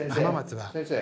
先生。